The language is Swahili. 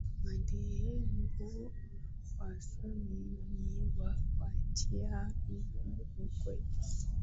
madhehebu Wasuni ni na Washia hivi Ukweli